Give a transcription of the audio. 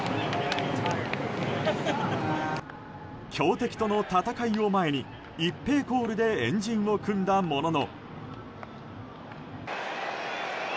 強敵との戦いを前に一平コールで円陣を組んだものの。